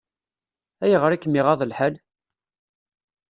Ayɣer i kem-iɣaḍ lḥal?